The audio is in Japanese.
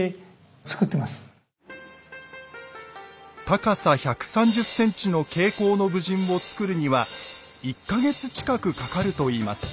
高さ１３０ｃｍの「挂甲の武人」を作るには１か月近くかかるといいます。